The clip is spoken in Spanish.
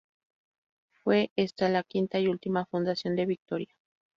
Fue esta la quinta y última fundación de Victoria.